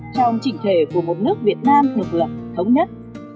trong trình thể của một nước việt nam thực lập thống nhất